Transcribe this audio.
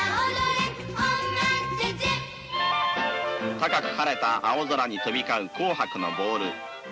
高く晴れた青空に飛び交う紅白のボール。